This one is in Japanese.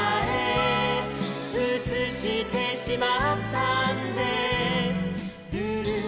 「うつしてしまったんですル・ル」